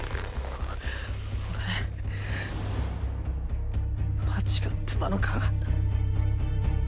俺間違ってたのか？